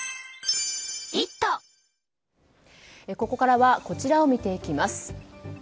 ここからはこちらを見ていきます。